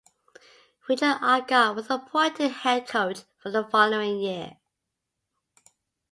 Richard Agar was appointed head coach for the following year.